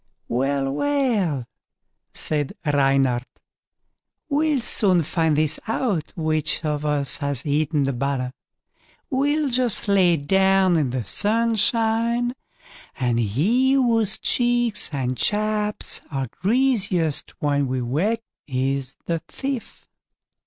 "Well, well", said Reynard, "we'll soon find this out, which of us has eaten the butter. We'll just lay down in the sunshine, and he whose cheeks and chaps are greasiest when we wake, he is the thief."